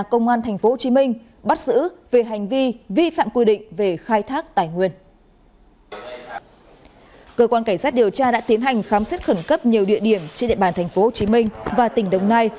cơ quan cảnh sát điều tra đã tiến hành khám xét khẩn cấp nhiều địa điểm trên địa bàn tp hcm và tỉnh đồng nai